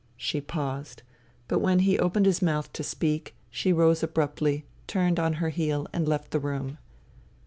'* She paused. But when he opened his mouth to speak, she rose abruptly, turned on her heel and left the room.